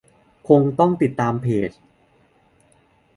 คงต้องติดตามเพจ